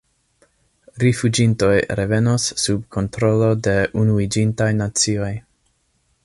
Rifuĝintoj revenos sub kontrolo de Unuiĝintaj Nacioj.